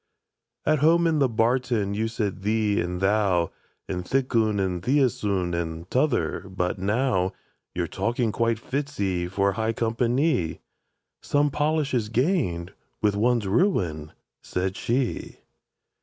—"At home in the barton you said 'thee' and 'thou,' And 'thik oon,' and 'theäs oon,' and 't'other'; but now Your talking quite fits 'ee for high compa ny!"— "Some polish is gained with one's ruin," said she.